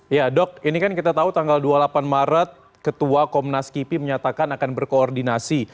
ya dok ini kan kita tahu tanggal dua puluh delapan maret ketua komnas kipi menyatakan akan berkoordinasi